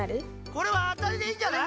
これはあたりでいいんじゃない？